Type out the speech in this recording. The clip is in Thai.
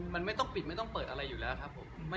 มันไม่ต้องปิดไม่ต้องเปิดอะไรอยู่แล้วครับผม